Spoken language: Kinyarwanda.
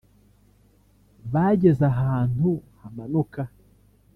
bageze ahantu hamanuka